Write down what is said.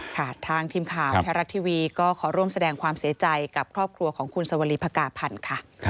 ค่ะทางทีมข่าวไทยรัฐทีวีก็ขอร่วมแสดงความเสียใจกับครอบครัวของคุณสวรีภกาพันธ์ค่ะ